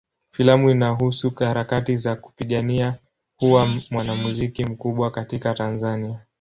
Filamu inahusu harakati za kupigania kuwa mwanamuziki mkubwa katika Tanzania.